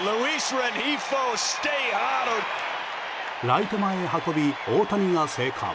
ライト前へ運び、大谷が生還。